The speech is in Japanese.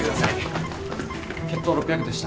血糖６００でした。